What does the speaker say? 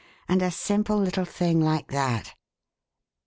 And a simple little thing like that!"